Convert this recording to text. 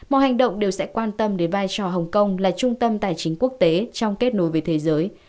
mọi hành động đều sẽ quan tâm đến vai trò hồng kông là trung tâm tài chính quốc tế trong kết nối với thế giới